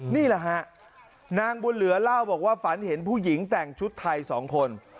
นี่แหละฮะนางบุญเหลือเล่าบอกว่าฝันเห็นผู้หญิงแต่งชุดไทยสองคน